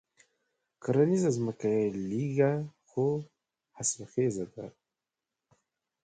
کرنيزه ځمکه یې لږه خو حاصل خېزه ده.